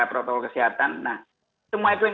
protokol kesehatan nah semua itu yang